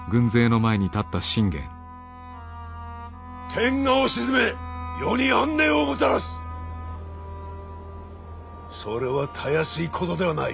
天下を鎮め世に安寧をもたらすそれはたやすいことではない。